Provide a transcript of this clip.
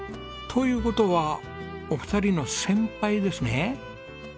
という事はお二人の先輩ですね。